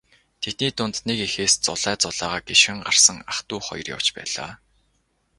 Тэдний дунд нэг эхээс зулай зулайгаа гишгэн гарсан ах дүү хоёр явж байлаа.